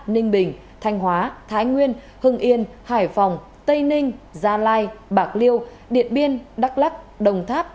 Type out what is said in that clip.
ninh bình thanh hóa thái nguyên hưng yên hải phòng tây ninh gia lai bạc liêu điện biên đắk lắc đồng tháp